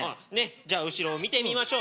じゃあ後ろを見てみましょう。